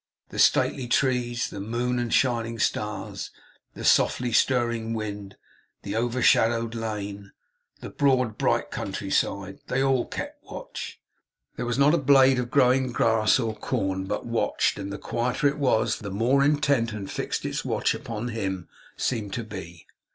The stately trees, the moon and shining stars, the softly stirring wind, the over shadowed lane, the broad, bright countryside, they all kept watch. There was not a blade of growing grass or corn, but watched; and the quieter it was, the more intent and fixed its watch upon him seemed to be.